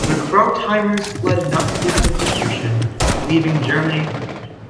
The Krautheimers fled Nazi persecution, leaving Germany for good.